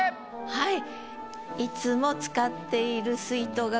はい。